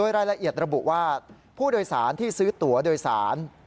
รายละเอียดระบุว่าผู้โดยสารที่ซื้อตัวโดยสาร